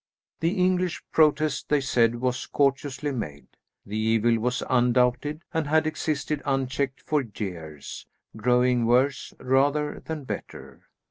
The English protest, they said, was courteously made. The evil was undoubted, and had existed unchecked for years, growing worse rather than better.